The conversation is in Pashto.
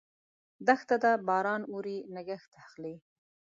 دښته ده ، باران اوري، نګهت اخلي